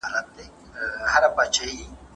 د روغتون په دېوالونو باندې د ونې سیوری لوېدلی و.